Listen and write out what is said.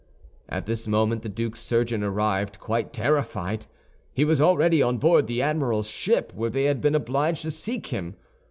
At this moment the duke's surgeon arrived, quite terrified; he was already on board the admiral's ship, where they had been obliged to seek him.